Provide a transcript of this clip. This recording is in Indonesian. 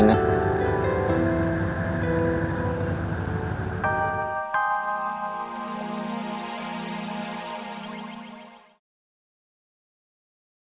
gak ada air lagi